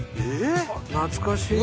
懐かしい！